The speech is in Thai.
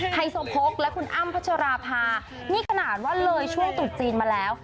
ไฮโซโพกและคุณอ้ำพัชราภานี่ขนาดว่าเลยช่วงตรุษจีนมาแล้ว